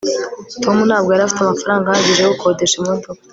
tom ntabwo yari afite amafaranga ahagije yo gukodesha imodoka